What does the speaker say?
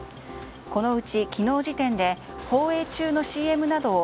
このうち、昨日時点で放映中のＣＭなどを